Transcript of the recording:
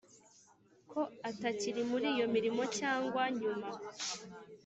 Ko atakiri muri iyo mirimo cyangwa nyuma